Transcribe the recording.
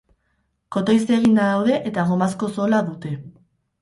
Kotoiz eginda daude eta gomazko zola dute.